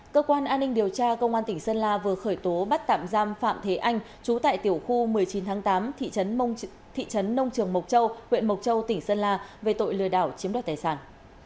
cơ quan an ninh điều tra công an tỉnh sơn la vừa khởi tố bắt tạm giam phạm thế anh trú tại tiểu khu một mươi chín tháng tám thị trấn nông trường mộc châu huyện mộc châu tỉnh sơn la về tội lừa đảo chiếm đoạt tài sản